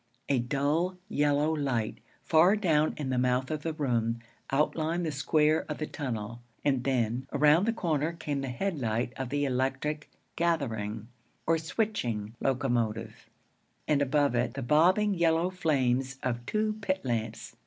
A dull, yellow light, far down in the mouth of the room, outlined the square of the tunnel; and then, around the corner came the headlight of the electric 'gathering' or switching locomotive, and above it, the bobbing yellow flames of two pit lamps.